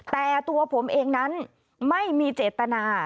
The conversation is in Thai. แต่ตัวผมเองนั้นไม่มีเจตนา